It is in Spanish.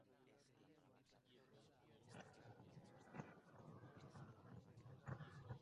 El título en alemán significa "bello".